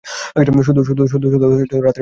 শুধু রাতের বেলায়ই কেন?